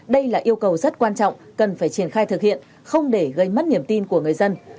đây là yêu cầu rất quan trọng cần phải triển khai thực hiện không để gây mất niềm tin của người dân